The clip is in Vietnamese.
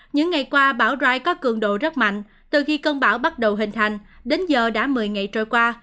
những ngày qua bão rai có cường độ rất mạnh từ khi cơn bão bắt đầu hình thành đến giờ đã một mươi ngày trôi qua